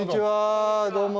どうも。